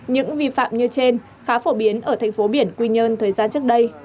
những vi phạm như trên khá phổ biến ở thành phố biển quy nhơn thời gian trước đây